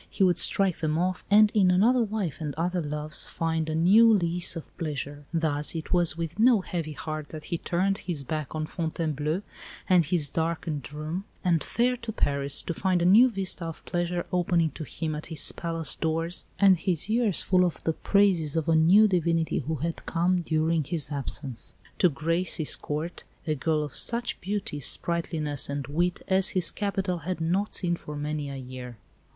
He would strike them off, and in another wife and other loves find a new lease of pleasure. Thus it was with no heavy heart that he turned his back on Fontainebleau and his darkened room, and fared to Paris to find a new vista of pleasure opening to him at his palace doors, and his ears full of the praises of a new divinity who had come, during his absence, to grace his Court a girl of such beauty, sprightliness, and wit as his capital had not seen for many a year.